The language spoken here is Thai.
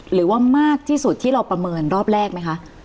หรือว่ามากที่สุดที่เราประเมินรอบแรกไหมคะ